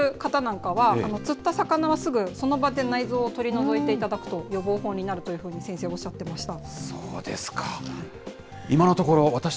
なので、特に釣りをする方なんかは、釣った魚はすぐその場で内臓を取り除いていただくと予防法になるというふうに、先生おっしゃっていました。